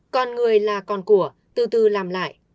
còn người là còn của từ từ làm lại